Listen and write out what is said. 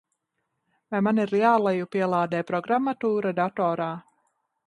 Vai man ir jālejupielādē programmatūra datorā?